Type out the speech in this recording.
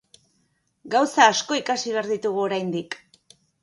Gauza asko ikasi behar ditugu oraindik.